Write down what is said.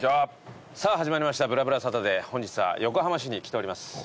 さぁ始まりました『ぶらぶらサタデー』本日は横浜市に来ております。